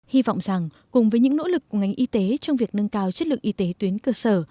hy vọng rằng cùng với những nỗ lực của ngành y tế trong việc nâng cao chất lượng y tế tuyến cơ sở